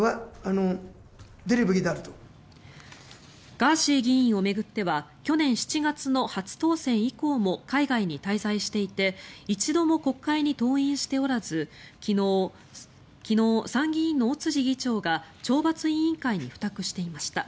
ガーシー議員を巡っては去年７月の初当選以降も海外に滞在していて一度も国会に登院しておらず昨日、参議院の尾辻議長が懲罰委員会に付託していました。